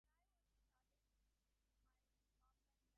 Those flights now travel via Cape Verde.